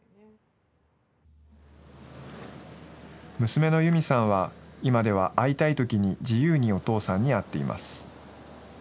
娘のユミさんは、今では会いたいときに自由にお父さんに会っています。